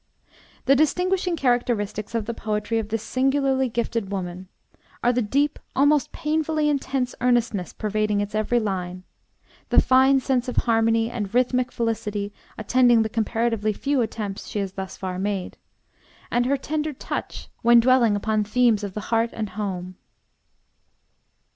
The distinguishing characteristics of the poetry of this singularly gifted woman are the deep, almost painfully intense earnestness pervading its every line, the fine sense of harmony and rhythmic felicity attending the comparatively few attempts she has thus far made, and her tender touch when dwelling upon themes of the heart and home.